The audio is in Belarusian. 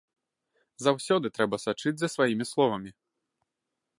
Заўсёды трэба сачыць за сваімі словамі!